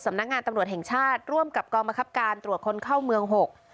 สำนักงานตำรวจแห่งชาติร่วมกับกองบังคับการตรวจคนเข้าเมืองหก